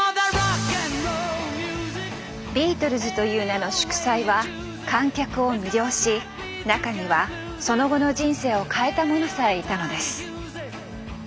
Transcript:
ビートルズという名の祝祭は観客を魅了し中にはその後の人生を変えた者さえいたのです。